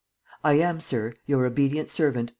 "I am, Sir, "Your obedient servant.